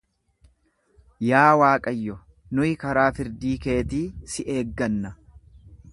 Yaa Waaqayyo, nuyi karaa firdii keetii si eegganna.